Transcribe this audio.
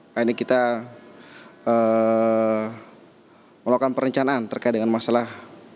dan kemudian kita melakukan perencanaan terkait dengan masalah